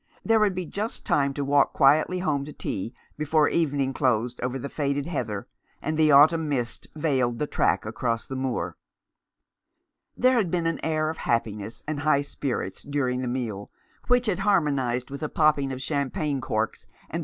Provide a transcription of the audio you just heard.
There would be just time to walk quietly home to tea, before evening closed over the faded heather, and the autumn mists veiled the track across the moor. There had been an air of happiness and high spirits during the meal which' had harmonized with the popping of champagne corks, and the 373 Rough Justice.